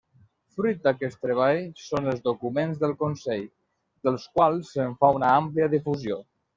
Fruit d'aquest treball són els documents del Consell, dels quals se'n fa una àmplia difusió.